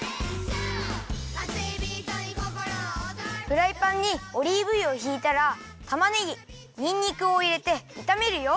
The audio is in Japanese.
フライパンにオリーブ油をひいたらたまねぎにんにくをいれていためるよ。